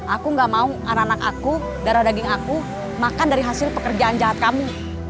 aku gak mau anak anak aku darah daging aku makan dari hasil pekerjaan jahat kami